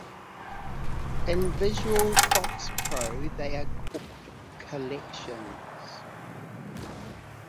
In Visual FoxPro, they are called "Collections".